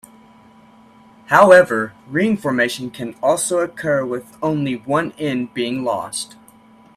However, ring formation can also occur with only one end being lost.